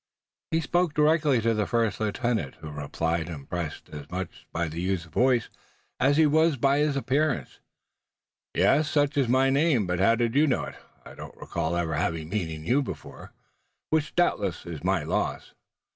He spoke directly to the first lieutenant, who replied, impressed as much by the youth's voice as he was by his appearance: "Yes, such is my name. But how did you know it? I don't recall ever having met you before, which doubtless is my loss."